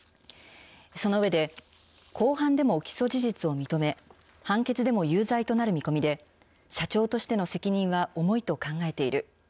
そのうえで、公判でも起訴事実を認め、判決でも有罪となる見込みで、社長としての責任は重いと考えている。